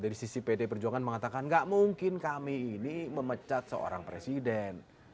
dari sisi pd perjuangan mengatakan gak mungkin kami ini memecat seorang presiden